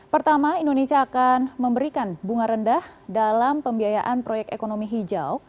pertama indonesia akan memberikan bunga rendah dalam pembiayaan proyek ekonomi hijau